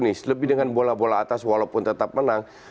ini lebih dengan bola bola atas walaupun tetap menang